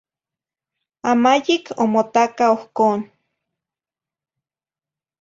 Amayic omotaca ohcon.